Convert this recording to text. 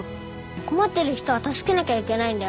困ってる人は助けなきゃいけないんだよ。